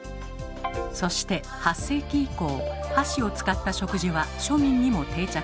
そして８世紀以降箸を使った食事は庶民にも定着。